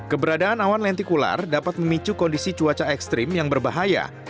keberadaan awan lentikular dapat memicu kondisi cuaca ekstrim yang berbahaya